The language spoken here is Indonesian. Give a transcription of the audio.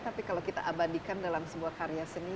tapi kalau kita abadikan dalam sebuah karya seni